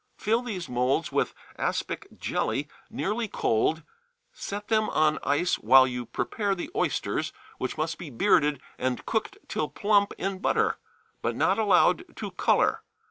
Fill these moulds with aspic jelly nearly cold, set them on ice while you prepare the oysters, which must be bearded and cooked till plump in butter, but not allowed to color.